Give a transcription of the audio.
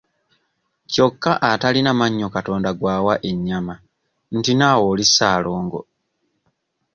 Kyokka atalina mannyo Katonda gw'awa ennyama nti nawe oli ssaalongo!